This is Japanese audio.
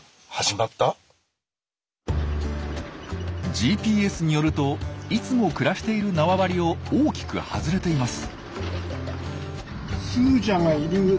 ＧＰＳによるといつも暮らしている縄張りを大きく外れています。